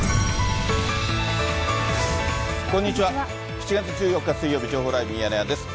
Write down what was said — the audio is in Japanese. ７月１４日水曜日、情報ライブミヤネ屋です。